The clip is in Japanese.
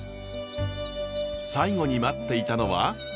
最後に待っていたのは。